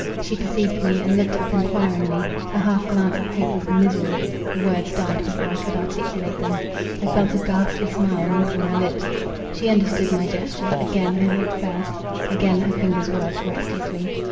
She perceived me, and looked up enquiringly; her half glance of hope was misery; the words died before I could articulate them; I felt a ghastly smile wrinkle my lips. She understood my gesture; again her head fell; again her fingers worked restlessly.